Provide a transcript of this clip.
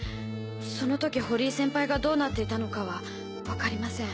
その時堀井先輩がどうなっていたのかはわかりません。